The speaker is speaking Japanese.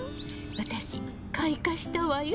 私開花したわよ。